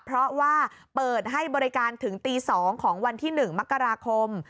เพราะว่าเปิดให้บริการถึงตี๒ของวันที่๑มกราคม